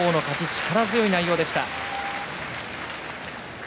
力強い攻めでした。